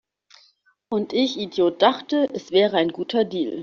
Und ich Idiot dachte, es wäre ein guter Deal!